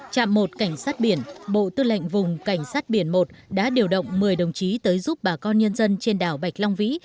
chạm một cảnh sát biển bộ tư lệnh vùng cảnh sát biển một đã điều động một mươi đồng chí tới giúp bà con nhân dân trên đảo bạch long vĩ